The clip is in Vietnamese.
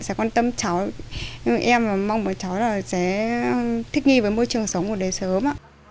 sẽ quan tâm cháu em mong cháu sẽ thích nghi với môi trường sống của đời sớm